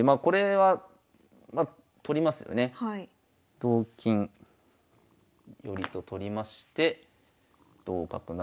同金寄と取りまして同角成。